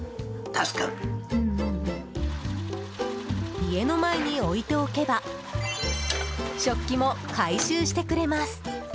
家の前に置いておけば食器も回収してくれます。